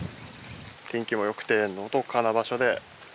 天気もよくてのどかな場所で。